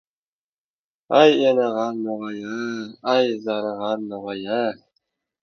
Ay, enag‘ar no‘g‘ay-a, ay, zanig‘ar no‘g‘ay-a!